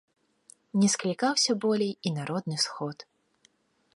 Не склікаўся болей і народны сход.